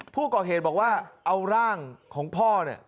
ผู้ก่อเหตุบอกว่าเอาร่างของพ่อเนี่ย